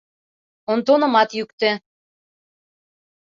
Онтонымат йӱктӧ.